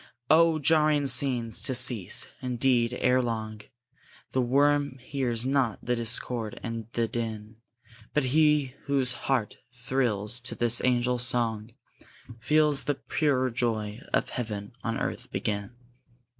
Oh, jarring scenes! to cease, indeed, ere long; The worm hears not the discord and the din; But he whose heart thrills to this angel song, Feels the pure joy of heaven on earth begin!